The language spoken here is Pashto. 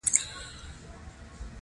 کندهار د افغانستان د زرغونتیا نښه ده.